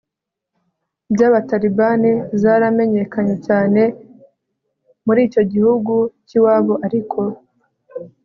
by'abatalibani zaramenyekanye cyane muri icyo gihugu k'iwabo ariko